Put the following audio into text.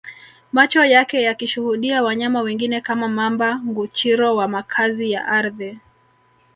Macho yake yakishuhudia wanyama wengine kama Mamba Nguchiro wa makazi ya ardhi